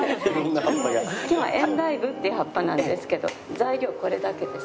今日はエンダイブっていう葉っぱなんですけど材料これだけです。